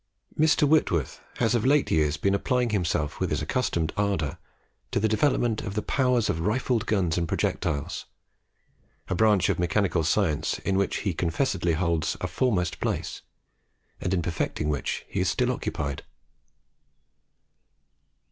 Mr. Whitworth has of late years been applying himself with his accustomed ardour to the development of the powers of rifled guns and projectiles, a branch of mechanical science in which he confessedly holds a foremost place, and in perfecting which he is still occupied.